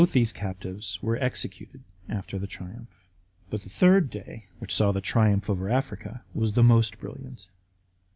Both these captives were executed after the triumph. But the third day, which saw the triumph over A frica, was much the most brilliant.